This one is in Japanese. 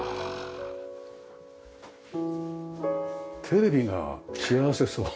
テレビが幸せそう。